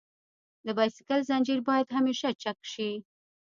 د بایسکل زنجیر باید همیشه چک شي.